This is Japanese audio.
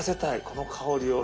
この香りを。